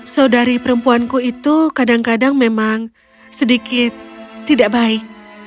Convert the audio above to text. saudari perempuanku itu kadang kadang memang sedikit tidak baik